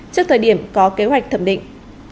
trước thời điểm có kế hoạch thẩm định